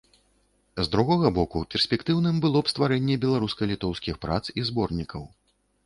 З другога боку, перспектыўным было б стварэнне беларуска-літоўскіх прац і зборнікаў.